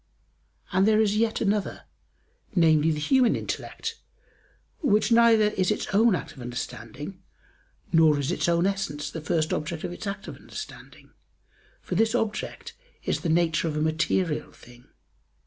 And there is yet another, namely, the human intellect, which neither is its own act of understanding, nor is its own essence the first object of its act of understanding, for this object is the nature of a material thing.